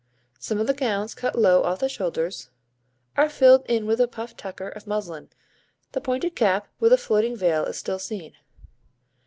Some of the gowns cut low off the shoulders are filled in with a puffed tucker of muslin. The pointed cap with a floating veil is still seen.